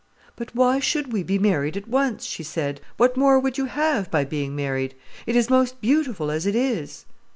"But why should we be married at once?" she said. "What more would you have, by being married? It is most beautiful as it is."